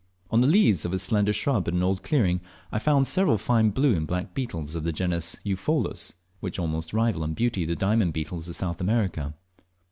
On the leaves of a slender shrub in an old clearing I found several fine blue and black beetles of the genus Eupholus, which almost rival in beauty the diamond beetles of South America.